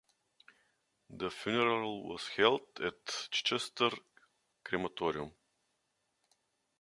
The funeral was held at Chichester Crematorium.